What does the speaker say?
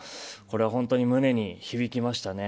これは本当に胸に響きました。